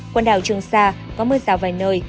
quần đảo trường sa có mưa rào vài nơi